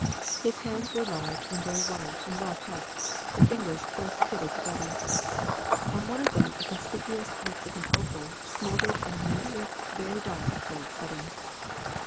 His hands were large and very white and well kept, the fingers close fitted together. On one of them a conspicuous Mexican opal smouldered in a massive, very dark gold setting.